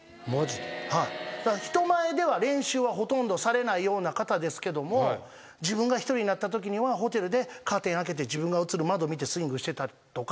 人前では練習はほとんどされないような方ですけども自分が１人になったときにはホテルでカーテン開けて自分が映る窓見てスイングしてたりとか。